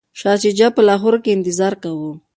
شاه شجاع په لاهور کي انتظار کاوه.